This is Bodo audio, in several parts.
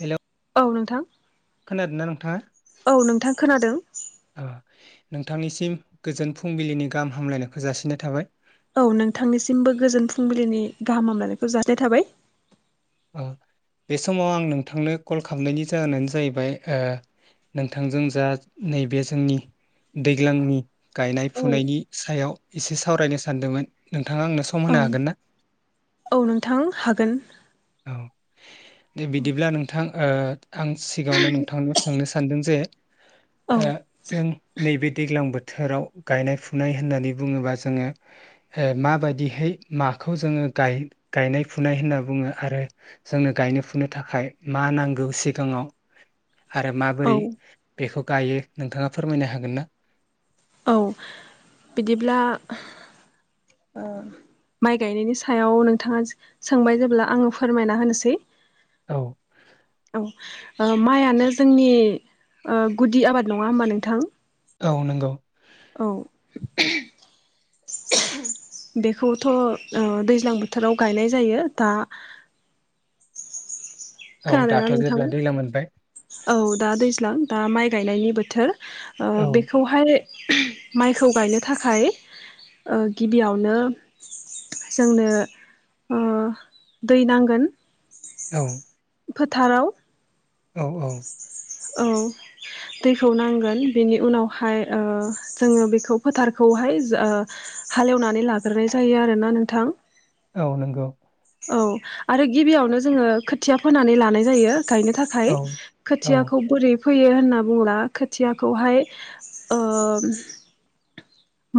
हेलौ औ नोंथां। खोनादों ना नोंथाङा औ नोंथां खोनादों अह नोंथांनिसिम गोजोन फुंबिलिनि गाहाम हामलायनायखौ जासिनाय थाबाय। औ नोंथांनिसिमबो गोजोन फुंबिलिनि गाहाम हामलानायखौ जासिनाय थाबाय। औ बे समाव आं नोंथांनो कल खालामनायनि जाहोनानो जाहैबाय ओ नोंथांजों जा नैबे जोंनि दैग्लांनि गायनाय औ फुनायनि सायाव। इसे सावरायनो सानदोमोन नों औ औ नोंथां हागोन। औ। दे बिदिब्ला नोंथां। ओ। आं सिगाङावनो नोंथांनाव सोंनो स सानदों जे। औ ओ जों नैबे दैग्लां बो थोराव गायनाय फुनाय होननानै बुङोबा जोङो हो माबादिहै माखौ जोङो गाय गायनाय फुनाय होनना बुङो। आरो जोंनो गायनो फुनो थाखाय मा नांगौ सिगाङाव। आरो औ माबोरै बेखौ गायो नोंथाङा फोरमायनो हागोन ना? औ बिदिब्ला ओ माइ गायनायनि सायाव नोंथाङा सोंबाय जेब्ला आङो फोरमायना होनोसै। औ औ। ओ माइआानो जोंनि गुदि आबाद नङा होमबा नोंथां? औ नंगौ। औ बेखौथ' ओ दैज्लां बोथोराव गायनाय जायो दा। औ खोनादो ना दाथ' नोंथां जेब्ला दैलां मोनबाय औ दा दैज्लां दा माइ गायनायनि बोथोर। ओ औ बेखौहाय माइखौ गायनो थाखाय ओ गिबियावनो जोंनो ओ दै नांगोन। औ। फोथाराव। औ औ। औ दैखौ नांगोन बेनि उनावहाय ओ जोङो बेखौ फोथारखौहाय जा ओ हालएवनानै लाग्रोनाय जायो आरोना नोंथां। औ नंगौ। औ आरो गिबियावनो जोङो खोथिया फोनानै लानाय जायो। गायनो थाखाय औ औ खोथियाखौ बोरै फोयो होनना बुङोला खोथियाखौहाय ओ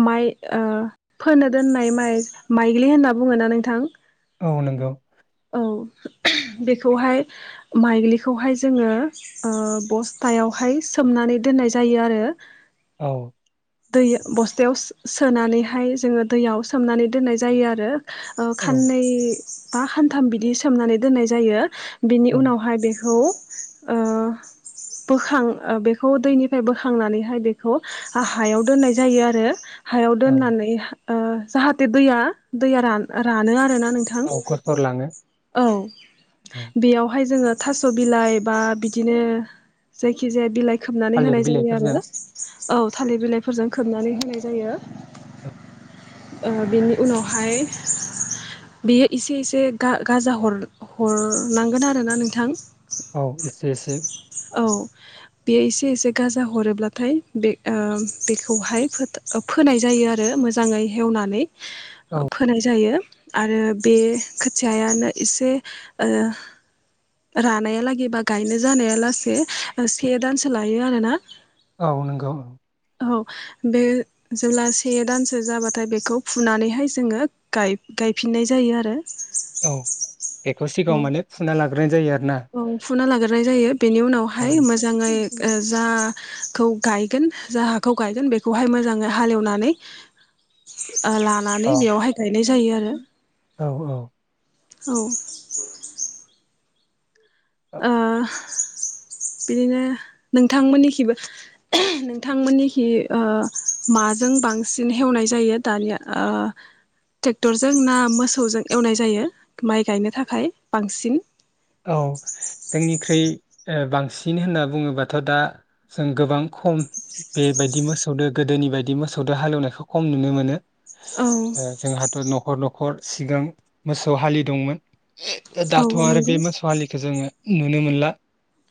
माइ ओ फोनो दोननाय माइ माइग्लि होनना बुङोना नोंथां। औ नंगौ। औ बेखौहाय माइग्लिखौहाय जोङो ओ बस्थायावहाय सोमनानै दोननाय जायो आरो। औ। दै बस्थायाव सो सोनानैहाय जोङो दैयाव सोमनानै दोननाय जायो आरो। ओ औ खाननै बा खानथाम बिदि सोमनानै दोननाय जायो। बिनि औ उनावहाय बेखौ। ओ बोखां ओ बेखौ दैनिफ्राय बोखांनानैहाय बेखौ। हायाव दोननाय जायो आरो हायाव औ दोननानै ओ जाहाथे दैया दैया रान रानो आरो ना नोंथां औ गसर लाङो औ औ बेयावहाय जोंङो थास' बिलाइ बा बिदिनो जायखि जाया बिलाइ खोबनानै थालिर होनाय जायो बिलाइफोरजों आरो औ थालिर बिलाइफोरजों खोबनानै होनाय जायो। औ [inaudible] ओ बिनि उनावहाय बियो इसे इसे गा-गाजा हर-हरनांगोन आरोना नोंथां। औ एसे एसे औ बेयो एसे एसे गाजा हरोब्लाथाय बे ओ बेखौहाय फोथ ओ फोनाय जायो आरो मोजाङै हेवनानै औ फोनाय जायो आरो बे खोथियायानो एसे ओ रानायालागै बा गायनो जानाया ला से दानसो लायो आरोना औ नंगौ औ बे जेब्ला से दानसो जाबाथाय बेखौ फुनानैहाय जोङो गाय-गायफिननाय जायो आरो औ बेखौ सिगाङाव औ माने फुना ला र जायो [unintelligible] औ फुना लागोरनाय जायो बेनि ओं, उनावहाय मोजाङै ओ जा खौ गायगोन जा हाखौ गायगोन बेखौहाय मोजाङै हालेवनानै ओ औ लानानै बेयावहाय गायनाय जायो आरो औ औ ओ बिदिनो नोंथांमोननिखिबो नोंथांमोननिखि ओ माजों बांसिन हेवनाय जायो दानिया ओ ट्रेक्टरजों ना मोसौजों एवनाय जायो माइ गायनो थाखाय बांसिन औ जोंनिख्रुइ बांसिन होनना बुङोबाथ' दा जों गोबां खम बेबायदि मोसौदो गोदोनि बायदि मोसौदो हालेवनायखौ खम नुनो मोनो। औ जोंहाथ' न' न'खर न'खर सिगां मोसौ हालि दंमोन द औ दतवो नंगौ बे म [unintelligible] [unintelligible] नुनो मोनला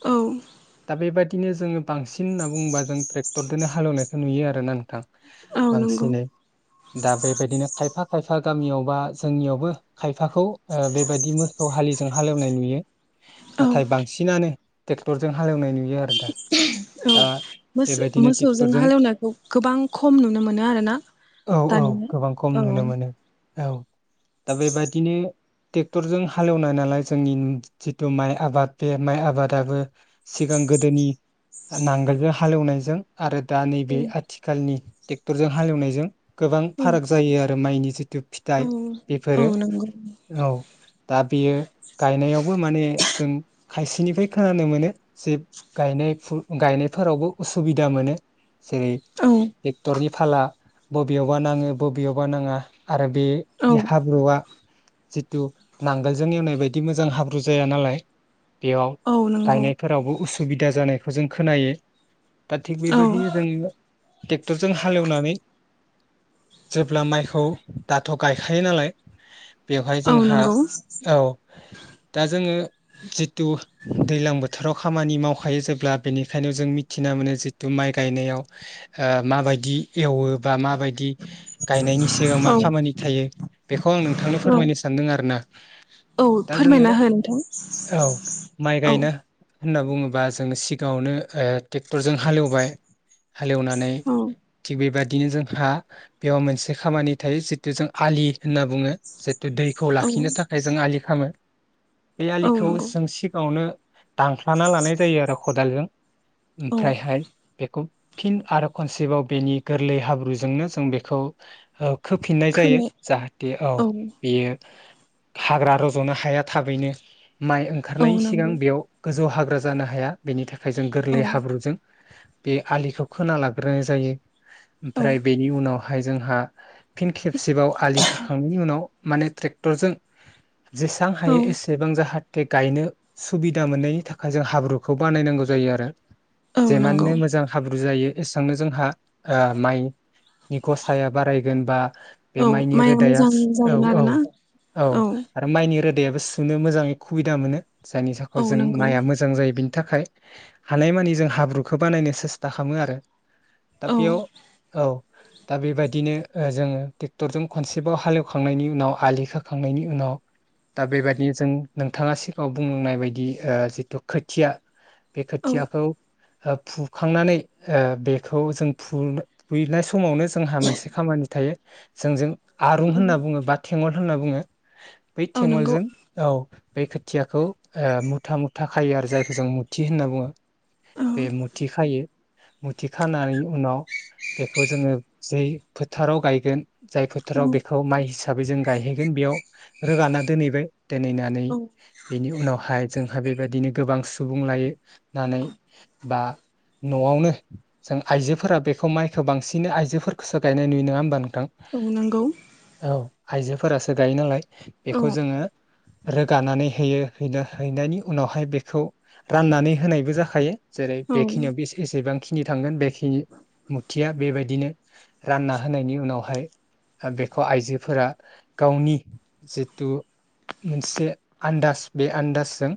औ दा बेबायदिनो जोङो बांसिन होनना बुंङोबा जों ट्रेक्टरखोनो हालेवनायसो नुयो आरोन ना नोंथां औ नंगौ बांसिनै दा बेबायदिनो खायफा खायफा बा गामियाव बा जोंनियावबो खायफाखौ ओ बेबायदि मोसौ हालिजों हालेवनाय नुयो। औ नाथाय बांसिनानो ट्रेक्टरजों हालेवनाय नुयो आरो दा। दा मोसो बेबायदिनो मोसौजों ट्रेक्टरजों हालेवनायखौ गोबां खम नुनो मोनो आरोना औ औ दानिया। गोबां खम औ नुनो मोनो औ दा बेबायादिनो ट्रेक्टरजों हालेवनाय नालाय जोंनि जिथु माइ आबाद बे माइ आबादाबो सिगां गोदोनि नांगोलजों हालेवनायजों आरो दा नैबे औ आथिखालनि ट्रेक्टरजों हालेवनायजों गोबां फाराग जायो आरो। माइनि जिथु फिथाइ औ औ बेफोरो नंगौ औ दा बेयो गायनायाव बो माने जों खायसेनिफ्राय खोनानो मोनो जे गायनाय गायनायफोरावबो उसुबिदा मोनो। जेरै औ टेक्टरनि फाला बबेयावबा नाङो बबेयावबा नाङा आरो बे औ हाब्रुआ जिथु नांगोलजों एवनाय बायदि मोजां हा ब्रुजाया नालाय बेयाव। औ नंगौ गायनायफोरावबो उसु सुबिदा जानायखौ जों खोनायो दा थिग औ बेबदिनो जोङो ट्रेक्टरजों हालेवनानै जेब्ला माइखौ दाथ' गायखायो नालाय बेवहाय औ जोंहा नंगौ औ दा जोङो जिथु दैज्लां बोथोराव खामानि मावखायो जेब्ला बेनिखायनो जों मिथिना मोनो जिथु माइ गायनायाव ओ माबायदि एवो बा माबायदि गायनायनि सिगां मा औ खामानि थायो। बेखौ आं नोंथांनो औ फोरमायनो सानदों आरो ना। औ फोरमायना हो? नोंथां औ माइ औ गायनो होनना बुङोबा जों सिगाङावनो ट्रेक्टरजों हालेवबाय। हालेवनानै औ थिग बेबा दिनो जोंहा बेयाव मोनसे खामानि थायो जिथु जों आलि होनना बुङो। दैखौ औ लाखिनो थाखाय जों आलि खामो। बे औ आलिखौ नंगौ जों सिगाङावनो दानख्लाना लानाय जायो आरो खदालजों। औ ओमफ्रायहाय बेखौ फिन आरो खनसेबाव बेनि गोरलै हाब्रुजोंनो जों बेखौ खोफिननाय जायो। खोना जाहाथे औ बियो हाग्रा रज'नो हाया थाबैनो। माइ औ ओंखारनायनि सिगां नंगौ बेयाव गोजौ हा ग्रा जानो हाया बेनि था खाय जों औ गोरलै हाब्रुजों बे आलिखौ खोना लाग्रोनाय जायो औ ओमफ्राय बेनि उनावहाय जोंहा फिन खेबसेबाव आलि खाखांनायनि उनाव माने ट्रेक्टरजों जेसेआ औ हायो एसेबां जाहाथे गायनो सुबिदा मोननायनि थाखाय जों हाब्रुखौ बानायनांगौ जायो आरो औ नंगौ जेमाननो मोजां हाब्रु जायो एसेबांनो जोंहा माइनि गसाया बारायगोन बा बे औ माइनि माइआ रोदाया मोजां औ जागोन औ आरोना औ आरो माइनि रोद सुनो मोजाङै सुबिदा मोनो। जायनि थाखाय औ जों नंगौ माइआ मोजां जायो बिनि थाखाय। हानायमानि जों हाब्रुखौ बानायनो सेस्था खालामो आरो। दा औ बेयाव औ दा बेबायदिनो ओ जोङो ट्रेक्टरजों खनसेबाव हालेवखांनायनि उनाव आलि खोखांनायनि उनाव दा बेबादि जों नोंथाङा सिगांङाव बुंनाय बायदि ओ जिथु खोथिया बे खोथियाखौ ओ फुखांनानै ओ बेखौ जों फु फुनाय समावनो जोंहा मोनसे खामानि थायो जोंजों आरुं औ होनना बुङो बा थेंङर होनना बुङो। औ नंगौ थेंङलजों औ बै खोथियाखौ ओ मुथा मुथा खायो आरो जायखौ जों मुथि होनना बुङो औ बे मुथि खायो मुथि खानानै उनाव बेखौ जोङो जै फोथाराव गायगोन जाय औ फोथाराव बेखौ माइ हिसाबै जों गायहैगोन बेयाव रोगाना दोनैबाय। दोनैनानै बेनि उनाव हाय जोंहा बेबायदिनो गोबां सुबुं लायो नानै बा न'आवनो जों आइजोफोरा बेखौ माइखो बांसिनै आइजोफोरखौसो गायनाय नुयो नङा होमबा नों थां औ नंगौ औ आयजोफोरासो गायो नालाय। औ बेखौ जोङो रोगानानै होयो है-हैनायनि उनावहाय बेखौ राननानै होनायबो जाखायो। जेरै औ बेखिनियाव बेस एसेबां। खिनि थांगोन बेखिनि मुथिया बेबायदिनो रानना होनायनि उनावहाय ओ बेखौ आइजोफोरा गावनि जि थु मोनसे आन्दाज बे आन्दाजजों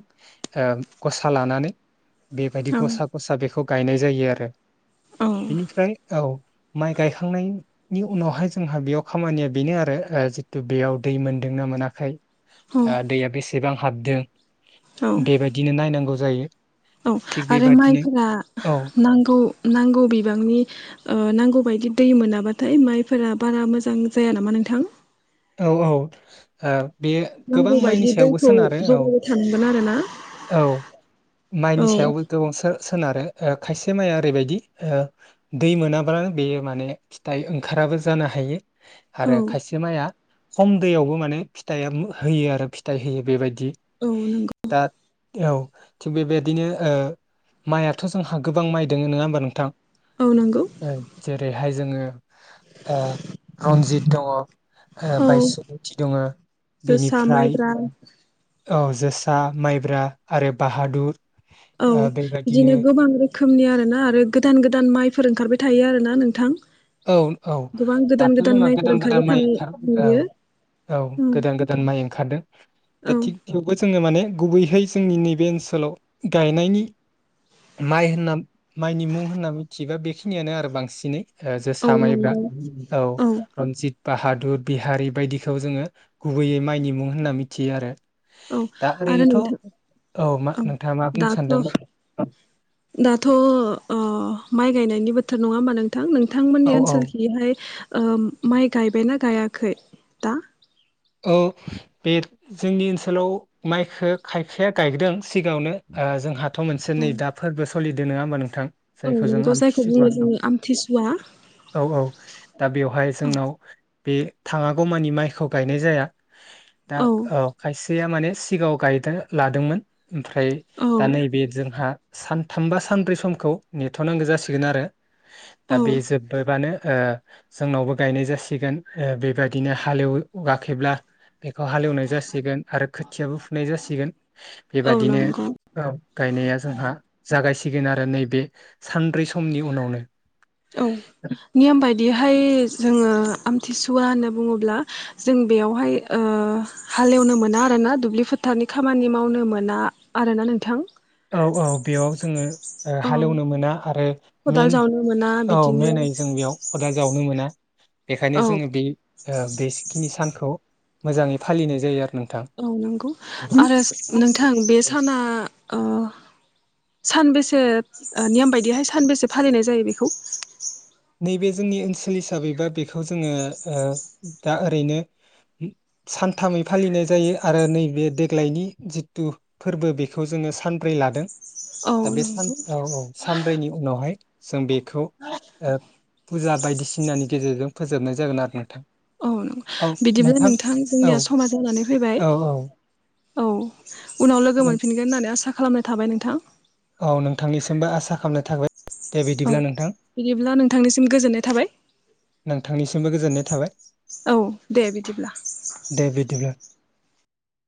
ओ गसा लानानै बेबायदि औ गसा गसा बेखौ गायनाय जायो आरो औ बेनिफ्राय औ माइ गायखांनायनि उनावहाय जोंहा बेयाव खामानिया बेनो आरो ओ जितु बेयाव दै मोनदोंना मोना खै औ ओ दैया बेसेबां हाबदो। बेबायदिनो नायनांगौ। जायो। औ थिग आरो बेबादिनो माइफोरा औ नांगौ नांगौ बिबांनि ओ नांगौ बायदि दै मोनाबा। थाय माइफोरा बारा मोजां जाया नामा नोंथां औ औ ओ बेयो गोबां नांगौ बायदि माइनि सायावबो दैखौ सोनारो औ जगायबाय थानांगोन आरोना औ औ माइनि सायावबो गोबां सो-सोनारो। ओ खायसे माइया ओरैबायदि ओ दै मोनाब्लानो बेयो माने फिथाइ ओंखाराबो जानो हायो। औ आरो खायसे माइआ खम दैयावबो माने फिथाइया होयो आरो फिथाइ होयो बेबाय दि औ नंगौ दा औ थिग बेबायदिनो ओ माइयाथ' जोंहा गोबां माइ दोङो नोङा होमबा नोंथां? औ नंगौ ओं जेरै हाय जोङो ओ रनजित दङ ओ औ बायसुमुथि दङो जोसा बेनिफ्राय माइब्रा औ जोसा माइब्रा आरो बाहादुर औ ओ बेबायदिनो बिदिनो गोबां रो खोमनि आरोना आरो गोदान गोदान माइफोर ओंखारबाय थायो आरोना नोंथां। औ औ गोबां गोदान दाथ' जोंहा माइफोर गोदान गोदान ओंखारबाय माइ थानाय ओंखार औ नुयो औ गोदान गोदान माइ ओंखारदों औ दा थिग थेवबो जोङो माने गुबैहाय जोंनि नैबे ओनसोलाव गायनायनि माइ होनना माइनि मुं होनना मिथियोबा बेखिनियानो आरो बांसिनै। ओ औ जोसा माइब्रा नंगौ औ रनजित बाहादुर बिहारि बायदिखौ जोङो गुबैयै माइनि मुं होनना मिथियो आरो। औ दा आरो ओरैनोथ' नोंथां मा औ नोंथाङा मा बुंनो सानदोंमोन दाथ' दाथ' ओ माइ गायनायनि बोथोर नङा होमबा नों थां नोंथांमोननि औ औ ओनसोलखिहाय ओ माइ गायबायना गायाखै दा? ओ बे जोंनि ओनसोलाव माइखो खायखाया गायदों सिगाङावनो ओ जोंहा थ' मोनसे औ नै दा फोरबो फालिदो नोङा होमबा नोंथां? औ जायखौ जों नंगौ जायखौ आमथिसुवा बुङो होनो जोङो आमथिसुवा औ औ दा बेवहाय औ जोंनाव बे थाङागौ मानि माइखौ गायनाय जाया। दा औ खायसेया माने सिगाङाव गायदो लादोंमोन ओमफ्राय औ दा नैबे जोंहा सानथाम बा सानब्रै समखौ नेथ'नांगौ जासिगोन आरो दा औ बे जोब्बायबानो ओ जोंनावबो गायनाय जासिगोन ओ बेबायदिनो हालेव वाखैब्ला बेखौ हालेवनाय जासिगोन आरो खोथियाबो फुनाय जासिगोन। औ बेबादिनो नंगौ औ। गायनाया जोंहा जागायसिगोन आरो नैबे सानब्रै समनि उनावनो। औ नियम बायदि फाय जोङो आमथिसुवा होनना बुङोब्ला जों बेयावहाय ओ हालेवनो मोना आरोना दुब्लि फोथारनि खामानि मावनो मोना आरोना नोंथां। औ औ बेयाव जोङो ओ औ हालेवनो मोना आरो खदाल मेन जावनो मोना औ बिदिनो मेनै जों बेयाव खदाल जावनो मोना। बेखायनो औ जोङो औ बे ओ बेजिखिनि सान खौ मोजाङै फालिनाय जायो आरो नों औ नोंगौ आरो नोंथां बे साना ओ सानबेसे ओ नियम बायदिहाय सानबेसे फालिनाय जायो बेखौ? नैबे जोंनि ओनसोल हिसाबैबा बेखौ जोङो ओ दा ओरैनो सानथामै फालिनाय जायो आरो नैबे देग्लायनि जिथु फोरबो बेखौ जोङो सानब्रै लादों। औ दा बे सान‌ नंगौ औ औ सानब्रैनि उनावहाय जों बेखौ ओ फुजा बायदिसिनानि गेजेरजों फोजोबनाय जागोन आरो नोंथां औ बिदिब्ला नोंथां औ जोंनिया समा जानानै फैबाय औ औ औ उनाव लोगो नों मोनफिनगोन होननानै आसा खालामनाय थाबाय नोंथां। औ नोंथांनिसिमबो आसा खालामनाय थाबाय दे औ बिदिब्ला नोंथां बिदिब्ला नोंथांनिसिम गोजोननाय थाबाय। नोंथांनिसिमबो गोजोननाय थाबाय औ दे बिदिब्ला। दे बिदिब्ला